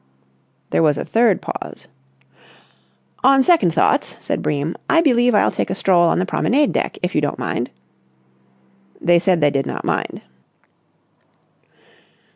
There was a third pause. "On second thoughts," said Bream, "I believe I'll take a stroll on the promenade deck if you don't mind." They said they did not mind.